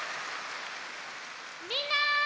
みんな！